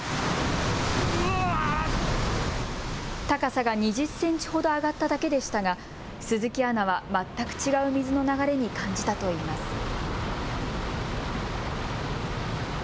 高さが２０センチほど上がっただけでしたが鈴木アナは全く違う水の流れに感じたといいます。